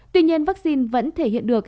tuy nhiên vaccine vẫn thể hiện được